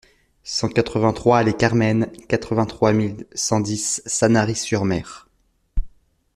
cent quatre-vingt-trois allée Carmen, quatre-vingt-trois mille cent dix Sanary-sur-Mer